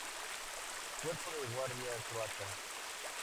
Cuerpo de Guardia Croata.